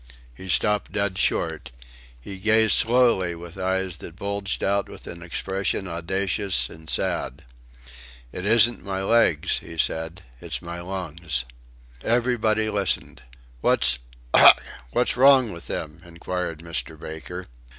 He stopped dead short. He gazed slowly with eyes that bulged out with an expression audacious and sad. "It isn't my legs," he said, "it's my lungs." Everybody listened. "What's... Ough!... What's wrong with them?" inquired Mr. Baker.